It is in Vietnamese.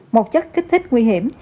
một chất kích thích nguy hiểm